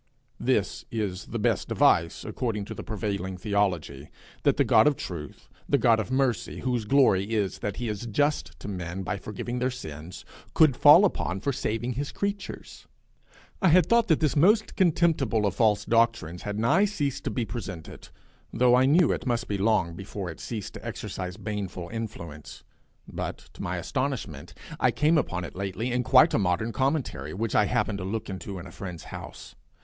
This is the best device, according to the prevailing theology, that the God of truth, the God of mercy, whose glory is that he is just to men by forgiving their sins, could fall upon for saving his creatures! I had thought that this most contemptible of false doctrines had nigh ceased to be presented, though I knew it must be long before it ceased to exercise baneful influence; but, to my astonishment, I came upon it lately in quite a modern commentary which I happened to look into in a friend's house.